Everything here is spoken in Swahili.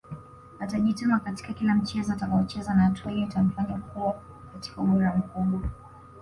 Atajituma katika kila mchezo atakaocheza na hatua hiyo itamfanya kuwa katika ubora mkubwa